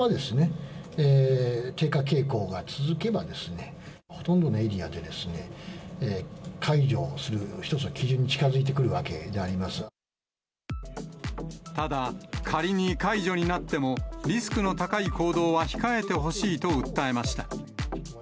このまま、低下傾向が続けば、ほとんどのエリアで、解除する一つの基準に近づいてくるわけであただ、仮に解除になっても、リスクの高い行動は控えてほしいと訴えました。